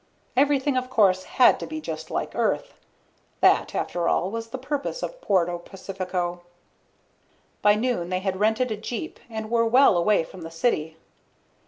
Everything, of course, had to be just like Earth. That, after all, was the purpose of Puerto Pacifico. By noon they had rented a jeep and were well away from the city.